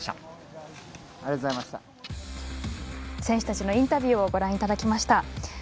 選手たちのインタビューをご覧いただきました。